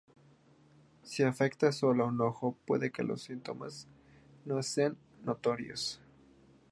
Si afecta solo a un ojo, puede que los síntomas no sean notorios.